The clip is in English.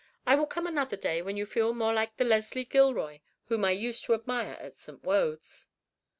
I will come another day when you feel more like the Leslie Gilroy whom I used to admire at St. Wode's."